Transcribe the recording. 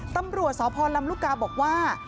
ตำรวจสพลำลูกกาบอกว่า